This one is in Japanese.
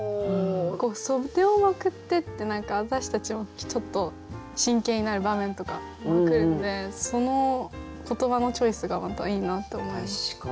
「袖をまくって」って何か私たちもちょっと真剣になる場面とかまくるんでその言葉のチョイスがまたいいなと思います。